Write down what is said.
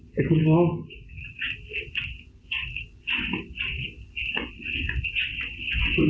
กี่รักมั้งค้าท่านเย้